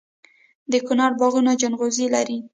د کونړ باغونه ځنغوزي لري.